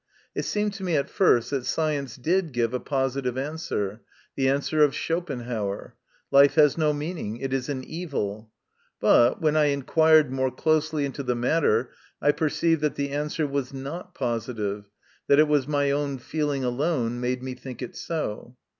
It seemed to me at first that science did give a positive answer the answer of Schopenhauer : life has no meaning, it is an evil ; but, when I inquired more closely into the matter, I perceived that the answer was not positive, that it was my own feeling alone made me think it so.